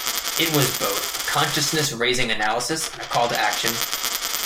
It was both a consciousness-raising analysis and a call-to-action.